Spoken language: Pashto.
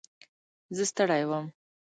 زه ستړی وم.